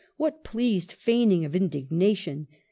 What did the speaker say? What pleased feigning of indignation